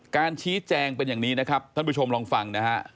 การชี้แจงเป็นอย่างนี้นะครับท่านผู้ชมลองฟังนะฮะ